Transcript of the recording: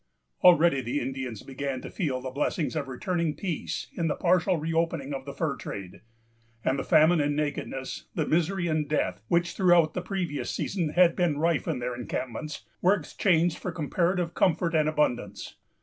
Already the Indians began to feel the blessings of returning peace in the partial reopening of the fur trade; and the famine and nakedness, the misery and death, which through the previous season had been rife in their encampments, were exchanged for comparative comfort and abundance.